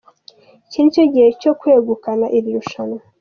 Iki ni cyo gihe cye, cyo kwegukana iri rushanwa.